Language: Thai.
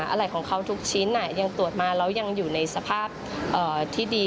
อะไรของเขาทุกชิ้นยังตรวจมาแล้วยังอยู่ในสภาพที่ดี